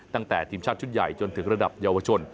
ตั้งแต่ทีมชาติชุดใหญ่จนถึงระดับเยาวชน